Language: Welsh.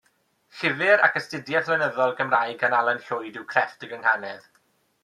Llyfr ac astudiaeth lenyddol, Gymraeg gan Alan Llwyd yw Crefft y Gynghanedd.